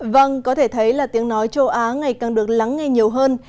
vâng có thể thấy là tiếng nói châu á ngày càng được lắng nghe nhiều hơn